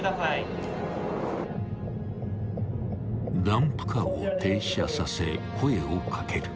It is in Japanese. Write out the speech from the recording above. ［ダンプカーを停車させ声を掛ける］